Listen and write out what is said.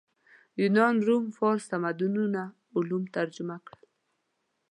یونان روم فارس تمدنونو علوم ترجمه کړل